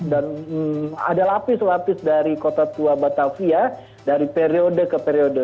dan ada lapis lapis dari kota tua batavia dari periode ke periode